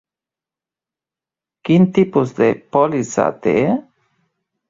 Quin tipus de pòlissa té?